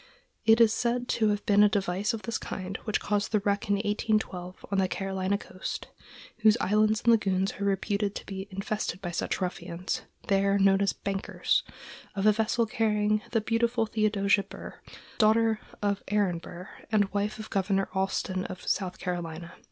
It is said to have been a device of this kind which caused the wreck in 1812, on the Carolina coast,—whose islands and lagoons are reputed to have been infested by such ruffians, there known as "bankers,"—of a vessel carrying the beautiful Theodosia Burr, daughter of Aaron Burr, and wife of Governor Alston of South Carolina.